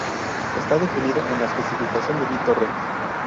Está definido en la especificación de BitTorrent.